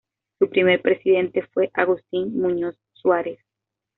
Su primer presidente fue Agustín Muñoz Suárez.